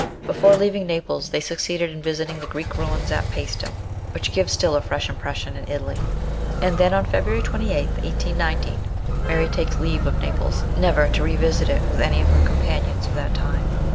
Before leaving Naples they succeeded in visiting the Greek ruins at Paestum, which give still a fresh im pression in Italy; and then, on February 28, 1819, LIFE IN ITALY. 137 Mary takes leave of Naples, never to revisit it with any of her companions of that time.